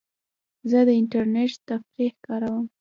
زه د انټرنیټ تفریح کاروم.